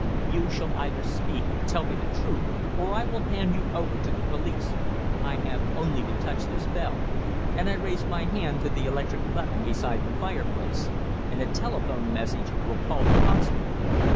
"You shall either speak tell me the truth, or I will hand you over to the police. I have only to touch this bell" and I raised my hand to the electric button beside the fireplace "and a telephone message will call a constable."